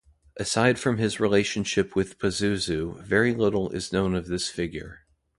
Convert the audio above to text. Aside from his relationship with Pazuzu, very little is known of this figure.